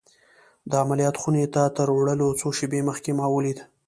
د عملیات خونې ته تر وړلو څو شېبې مخکې ما ولید